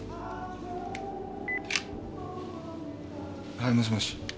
はいもしもし。